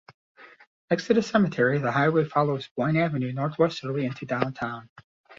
Next to the cemetery, the highway follows Boyne Avenue northwesterly into downtown.